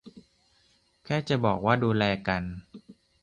แค่จะบอกว่า ดูแลกัน